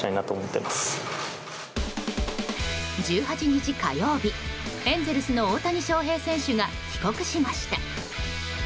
１８日、火曜日エンゼルスの大谷翔平選手が帰国しました。